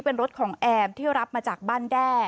เป็นรถของแอมที่รับมาจากบ้านแด้